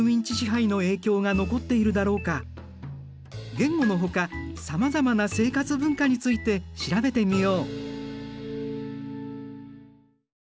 言語のほかさまざまな生活文化について調べてみよう。